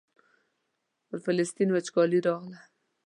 پر فلسطین وچکالي راغله.